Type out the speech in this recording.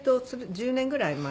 １０年ぐらい。